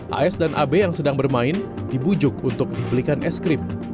as dan ab yang sedang bermain dibujuk untuk dibelikan es krim